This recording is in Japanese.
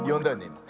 いま。